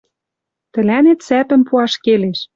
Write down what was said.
Тӹлӓнет сӓпӹм пуаш келеш.